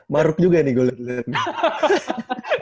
maruk juga nih gue liat liat nih